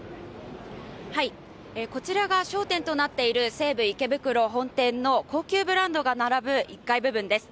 こちらが焦点となっている西武池袋本店の高級ブランドが並ぶ１階部分です。